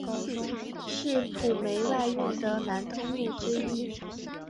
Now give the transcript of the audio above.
是晋煤外运的南通路之一。